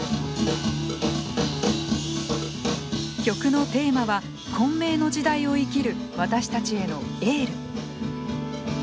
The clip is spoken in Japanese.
曲のテーマは混迷の時代を生きる私たちへのエール。